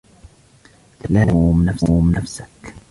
لا تلوم نفسك.